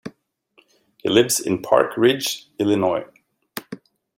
He lives in Park Ridge, Illinois.